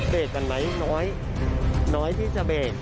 กันไหมน้อยน้อยที่จะเบรก